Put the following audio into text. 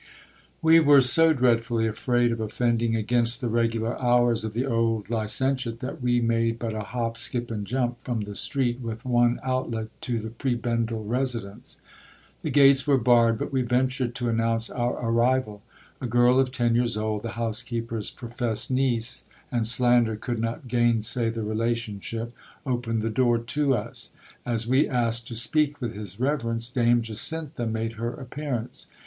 We were so dreadfully afraid of offending against the regular hours of the old licentiate, that we made but a hop, skip, and jump, from the street with one outlet, to the prebendal residence. The gates were barred : but we ventured to an nounce our arrival. A girl of ten years old, the housekeeper's professed niece, and slander could not gainsay the relationship, opened the door to us. As we asked to speak with his reverence, Dame Jacintha made her appearance.